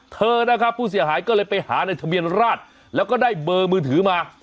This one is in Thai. เธอนะครับผู้เสียหายก็เลยไปหาในทะเบียนราชแล้วก็ได้เบอร์มือถือมา